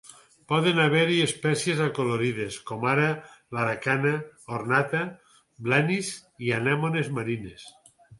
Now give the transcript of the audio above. Poden haver-hi espècies acolorides, com ara l'Aracana ornata, blenis i anemones marines.